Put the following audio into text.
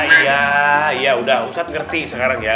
iya iya udha ustadz ngerti sekarang ya